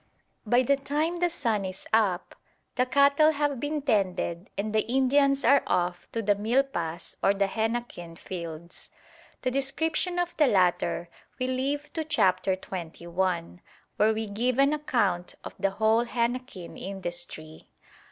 By the time the sun is up, the cattle have been tended and the Indians are off to the milpas or the henequen fields. The description of the latter we leave to Chapter XXI., where we give an account of the whole henequen industry.